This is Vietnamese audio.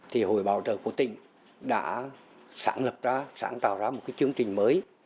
thì hội bảo trợ của tỉnh đã sáng tạo ra một chương trình mới